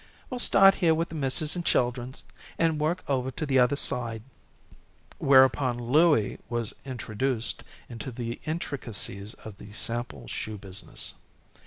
We'll start here with the misses' an' children's, and work over to the other side." Whereupon Louie was introduced into the intricacies of the sample shoe business.